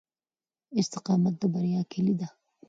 استقامت د بریا کیلي ده.